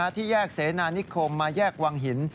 ที่แยกเสนานิคมมาแยกวังหิน